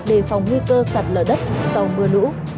đề phòng nguy cơ sạt lở đất sau mưa lũ